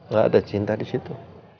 gak ada cinta disitu